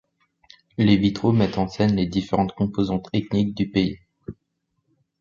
Les vitraux mettent en scène les différentes composantes ethniques du pays.